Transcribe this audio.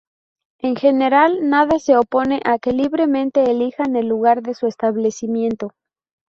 En general, nada se opone a que, libremente elijan el lugar de su establecimiento.